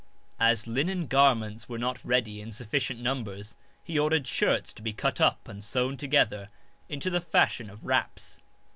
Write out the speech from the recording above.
As linen garments were not ready in sufficient numbers he ordered shirts to be cut up and sewn together into the fashion of wraps.